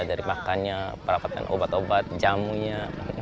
dari makannya perawatan obat obat jamunya